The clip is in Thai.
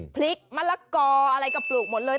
พริกมะละกออะไรก็ปลูกหมดเลย